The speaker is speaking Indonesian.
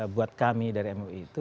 buat kami dari mui itu